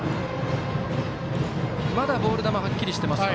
まだボール球はっきりしてますか。